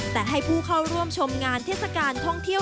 แต่ให้ผู้เข้าร่วมชมงานเทศกาลท่องเที่ยว